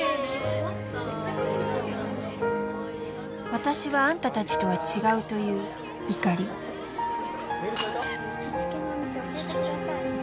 私はあんた達とは違うという怒り行きつけのお店教えてください